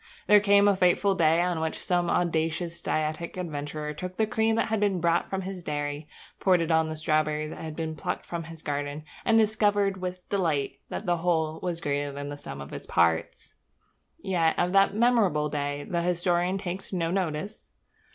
There came a fateful day on which some audacious dietetic adventurer took the cream that had been brought from his dairy, poured it on the strawberries that had been plucked from his garden, and discovered with delight that the whole was greater than the sum of all its parts. Yet of that memorable day the historian takes no notice.